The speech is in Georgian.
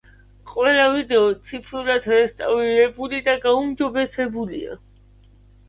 ყველა ვიდეო ციფრულად რესტავრირებული და გაუმჯობესებულია.